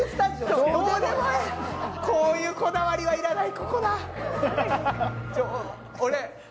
こういうこだわりは要らない。